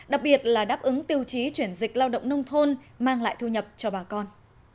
đặc biệt là đáp ứng tiêu chí chuyển dịch lao động nông thôn mang lại thu nhập cho bà con